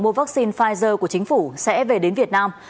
mua vaccine pfizer của chính phủ sẽ về đến việt nam